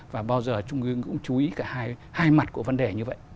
và bao giờ trung ương cũng chú ý cả hai mặt của vấn đề như vậy